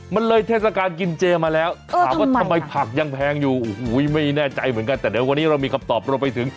มันเลยเทศกาลกินเจมาแล้วถามว่าทำไมผักยังแพงอยู่โอ้โหไม่แน่ใจเหมือนกันแต่เดี๋ยววันนี้เรามีคำตอบรวมไปถึง